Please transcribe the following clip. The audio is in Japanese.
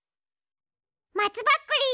まつぼっくり！